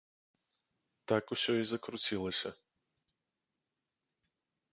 Так усё і закруцілася.